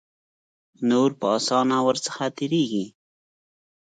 نور په آسانه ور څخه تیریږي.